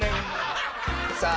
さあ